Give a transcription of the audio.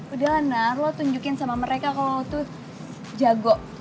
udah nar lo tunjukin sama mereka kalau tuh jago